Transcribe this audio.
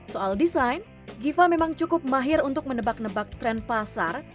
soal desain giva memang cukup mahir untuk menebak nebak tren pasar